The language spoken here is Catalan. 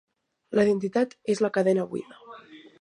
La identitat és la cadena buida.